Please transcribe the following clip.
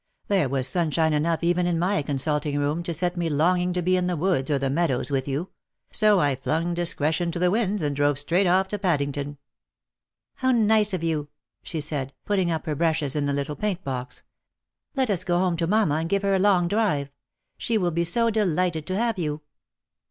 There was sunshine enough even in my consulting room to set me longing to be in the woods or the meadows with you ; so I flung discretion to the winds, and drove straight off to Paddington." " How nice of you !" she said, putting up her brushes in the little paint box. " Let us go home to mamma and give her a long drive. She will be so delighted to have you."